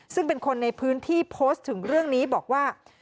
ซึ่งเป็นคนในพื้นที่โพสต์ถึงเรื่องนี้บอกว่า